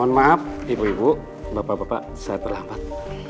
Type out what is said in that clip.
mohon maaf ibu ibu bapak bapak saya terlambat